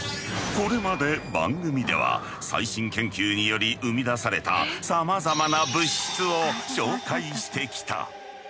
これまで番組では最新研究により生み出されたさまざまな物質を紹介してきた。